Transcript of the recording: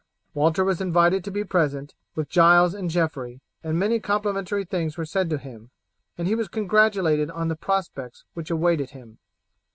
Walter was invited to be present, with Giles and Geoffrey, and many complimentary things were said to him, and he was congratulated on the prospects which awaited him.